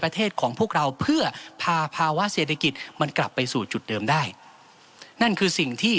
ประเทศของพวกเราเพื่อพาภาวะเศรษฐกิจมันกลับไปสู่จุดเดิมได้นั่นคือสิ่งที่